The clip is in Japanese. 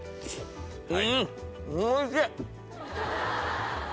うんおいしい！